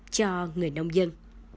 cho người nông dân